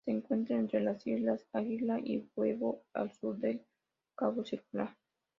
Se encuentra entre las islas Águila y Huevo, al sur del cabo Circular.